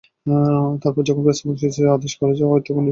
তারপর যখন ফেরেশতাগণকে সিজদার আদেশ করা হয় তখন ইবলীস সিজদা থেকে বিরত থাকে।